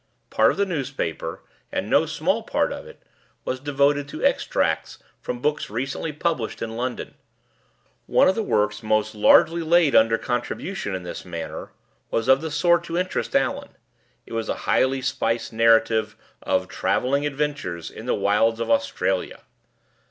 Part of the newspaper, and no small part of it, was devoted to extracts from books recently published in London. One of the works most largely laid under contribution in this manner was of the sort to interest Allan: it was a highly spiced narrative of Traveling Adventures in the wilds of Australia.